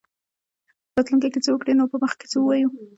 راتلونکې کې څه وکړي نو په مخ کې څه ووایو.